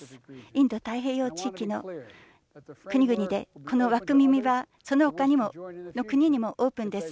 インド太平洋地域の国々でこの枠組みがそのほかの国にもオープンです。